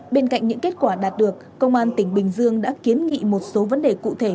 bên cạnh những kết quả đạt được công an tỉnh bình dương đã kiến nghị một số vấn đề cụ thể